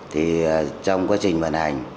thì trong quá trình vận hành